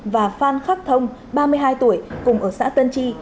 và phan khắc thông ba mươi hai tuổi cùng ở xã tân chi